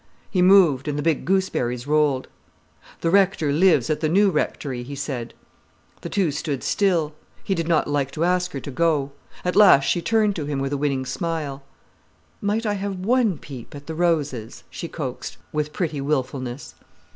He moved, and the big gooseberries rolled. "The rector lives at the new rectory," he said. The two stood still. He did not like to ask her to go. At last she turned to him with a winning smile. "Might I have one peep at the roses?" she coaxed, with pretty wilfulness.